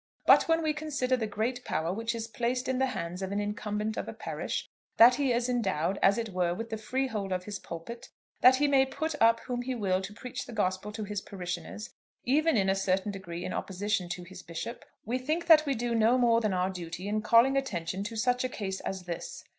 But when we consider the great power which is placed in the hands of an incumbent of a parish, that he is endowed as it were with the freehold of his pulpit, that he may put up whom he will to preach the Gospel to his parishioners, even in a certain degree in opposition to his bishop, we think that we do no more than our duty in calling attention to such a case as this."